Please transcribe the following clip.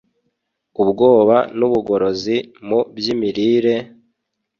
ubwoba n’ubugorozi mu by’imirire,